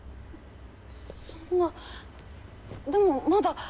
そんなでもまだ。